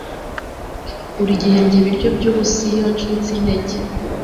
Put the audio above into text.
Buri gihe ndya ibiryo byubusa iyo ncitse intege